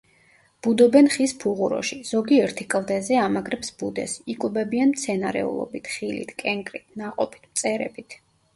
ბუდობენ ხის ფუღუროში, ზოგიერთი კლდეზე ამაგრებს ბუდეს, იკვებებიან მცენარეულობით, ხილით, კენკრით, ნაყოფით, მწერებით.